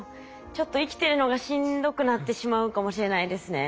ちょっと生きてるのがしんどくなってしまうかもしれないですね。